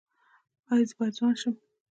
ایا زه باید ځوان شم؟